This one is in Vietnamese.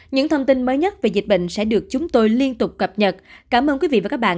những thông tin mới nhất về dịch bệnh sẽ được chúng tôi liên tục cập nhật cảm ơn quý vị và các bạn